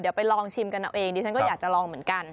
เดี๋ยวไปลองชิมกันเอาเองดิฉันก็อยากจะลองเหมือนกัน